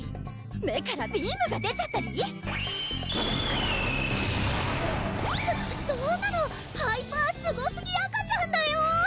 目からビームが出ちゃったりそそんなのハイパースゴスギ赤ちゃんだよ！